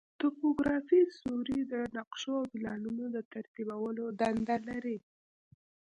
توپوګرافي سروې د نقشو او پلانونو د ترتیبولو دنده لري